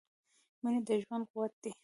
• مینه د ژوند قوت دی.